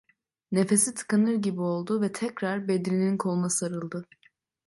Nefesi tıkanır gibi oldu ve tekrar Bedri’nin koluna sarıldı.